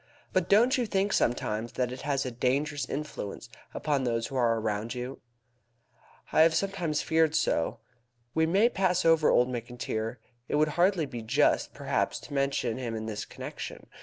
But don't you think sometimes that it has a dangerous influence upon those who are around you?" "I have sometimes feared so." "We may pass over old Mr. McIntyre. It would hardly be just, perhaps, to mention him in this connection.